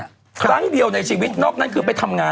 ทุกคนเข้าใจอย่างนั้นถูกป่ะคะ